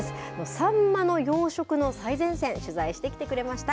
サンマの養殖の最前線、取材してきてくれました。